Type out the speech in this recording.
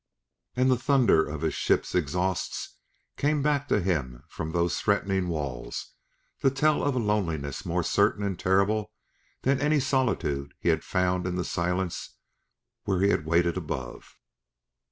And the thunder of his ship's exhausts came back to him from those threatening walls to tell of a loneliness more certain and terrible than any solitude he had found in the silence where he had waited above.